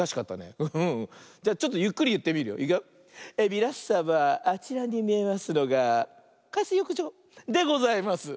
みなさまあちらにみえますのが「かいすよくじょ」でございます。